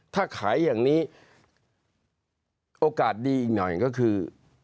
ถ้าขายอย่างนี้โอกาสดีอีกหน่อยก็คือ